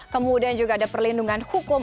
kemudian juga ada perlindungan hukum